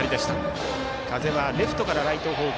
風はレフトからライト方向